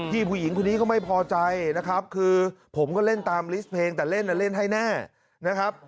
ผู้หญิงคนนี้ก็ไม่พอใจนะครับคือผมก็เล่นตามลิสต์เพลงแต่เล่นเล่นให้แน่นะครับ